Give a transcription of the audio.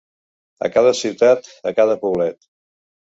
A cada ciutat, a cada poblet.